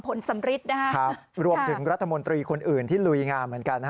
สำริทนะครับรวมถึงรัฐมนตรีคนอื่นที่ลุยงามเหมือนกันฮะ